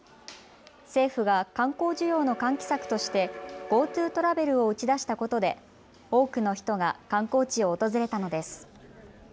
政府が観光需要の喚起策としてＧｏＴｏトラベルを打ち出したことで多くの人が観光地を訪れたのです。